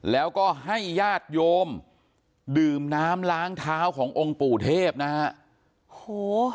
แล้วก็ให้ญาติโยมดื่มน้ำล้างเท้าขององค์ปู่เทพนะฮะโอ้โห